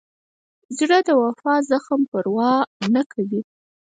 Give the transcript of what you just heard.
زړه د وفا د زخم پروا نه کوي.